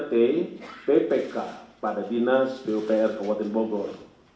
tk kepala bpkad kabupaten bogor